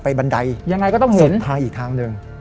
บันไดยังไงก็ต้องเห็นทางอีกทางหนึ่ง